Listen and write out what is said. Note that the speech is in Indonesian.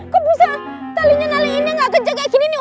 kok bisa talinya nalikinnya gak kejar kayak gini nih